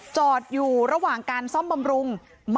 จอดอยู่ระหว่างการซ่อมบำรุง